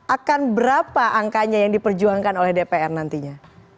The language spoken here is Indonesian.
akan berapa angkanya yang diperjuangkan oleh dpr nantinya